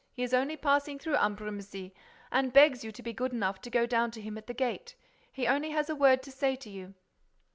He is only passing through Ambrumésy and begs you to be good enough to go down to him at the gate. He only has a word to say to you."